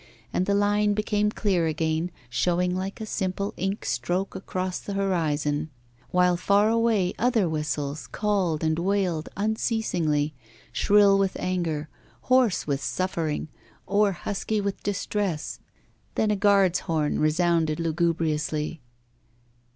And the line became clear again, showing like a simple ink stroke across the horizon; while far away other whistles called and wailed unceasingly, shrill with anger, hoarse with suffering, or husky with distress. Then a guard's horn resounded lugubriously.